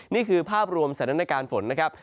นี่คือภาพรวมสถานการณ์ฝนนะครับ